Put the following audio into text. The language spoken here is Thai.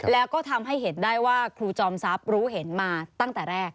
แล้วก็ทำให้เห็นได้ว่าครูจอมทรัพย์รู้เห็นมาตั้งแต่แรก